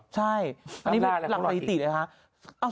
ใช่หลังประธิติเลยครับ